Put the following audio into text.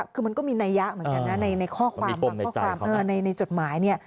คือมันก็มีนัยยะเหมือนกันนะในข้อความในจดหมายนี่